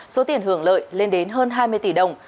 số tiền hưởng lợi lên đến hơn hai mươi